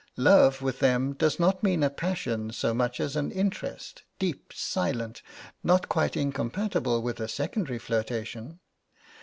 Love with them does not mean a passion so much as an interest, deep, silent, not quite incompatible with a secondary flirtation.